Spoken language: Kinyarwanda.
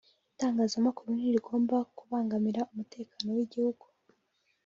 Itangazamakuru ntirigomba kubangamira umutekano w‟igihugu